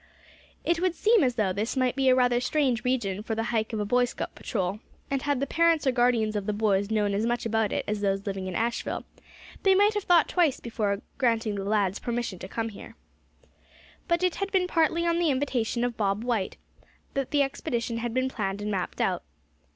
It would seem as though this might be a rather strange region for the hike of a Boy Scout patrol; and had the parents or guardians of the boys known as much about it as those living in Asheville, they might have thought twice before granting the lads permission to come here. But it had been partly on the invitation of Bob White that the expedition had been planned and mapped out.